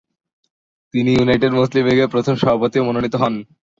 তিনি ইউনাইটেড মুসলিম লীগের প্রথম সভাপতিও মনোনীত হন।